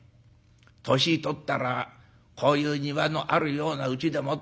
年とったらこういう庭のあるようなうちでもって暮らしてえな。